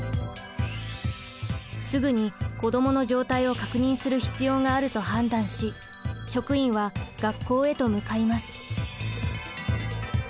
すぐに子どもの状態を確認する必要があると判断し職員は学校へと向かいます。